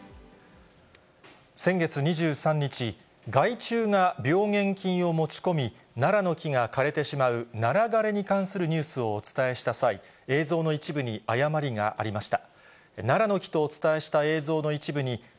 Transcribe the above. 先月２３日、害虫が病原菌を持ち込み、ナラの木が枯れてしまうナラ枯れに関するニュースをお伝えした際、映像の一部に誤りがありました。